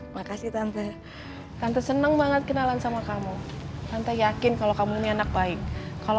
makasih tante tante senang banget kenalan sama kamu tante yakin kalau kamu ini anak baik kalau